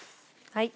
はい。